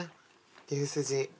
牛すじ。